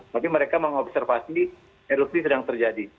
tapi mereka mengobservasi erupsi sedang terjadi